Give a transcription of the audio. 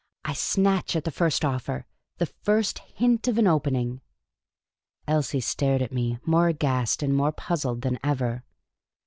I snatch at the first offer, the first hint of an opening." Elsie stared at me, more aghast and more puzzled than ever.